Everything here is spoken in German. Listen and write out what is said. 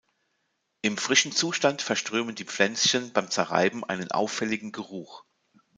Im frischen Zustand verströmen die Pflänzchen beim Zerreiben einen auffälligen Geruch.